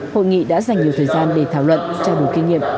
hội nghị đã dành nhiều thời gian để thảo luận trao đổi kinh nghiệm